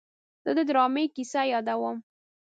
زه د ډرامې کیسه یادوم.